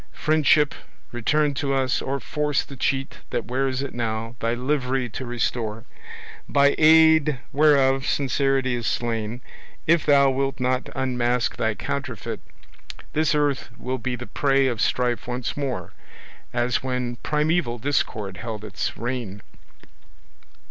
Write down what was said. Friendship, return to us, or force the cheat That wears it now, thy livery to restore, By aid whereof sincerity is slain. If thou wilt not unmask thy counterfeit, This earth will be the prey of strife once more, As when primaeval discord held its reign.